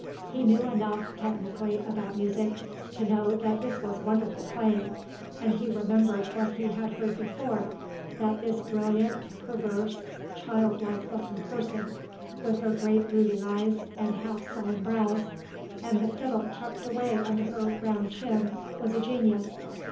He knew enough, technically, about music, to know that this was wonderful playing; and he remembered what he had heard before, that this brilliant, perverse, childlike looking person, with her great brooding eyes and half sullen brows, and the fiddle tucked away under her round chin, was a genius.